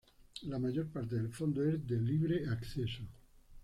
La mayor parte del fondo es de libre acceso.